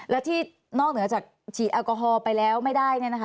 แล้วที่นอกเหนือจากฉีดแอลกอฮอล์ไปแล้วไม่ได้